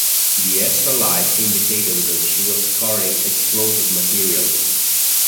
The extra light indicated that she was carrying explosive material.